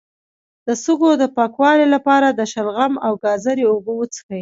د سږو د پاکوالي لپاره د شلغم او ګازرې اوبه وڅښئ